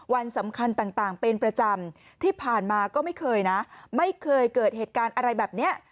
วันสำคัญต่างเป็นประจำที่ผ่านมาก็ไม่เคยนะไม่เคยเกิดเหตุการณ์อะไรแบบนี้